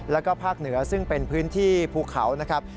แล้วก็ภาคเหนือซึ่งเป็นพื้นที่ภูเขานะครับ